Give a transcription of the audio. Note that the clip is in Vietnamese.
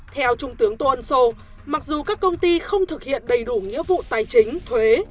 theo trung tướng tô ân sô mặc dù các công ty không thực hiện đầy đủ nghĩa vụ tài chính thuế